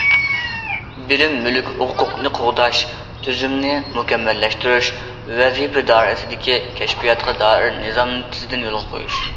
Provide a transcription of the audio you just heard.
بىلىم مۈلۈك ھوقۇقىنى قوغداش تۈزۈمىنى مۇكەممەللەشتۈرۈپ، ۋەزىپە دائىرىسىدىكى كەشپىياتقا دائىر نىزامنى تېزدىن يولغا قويۇش.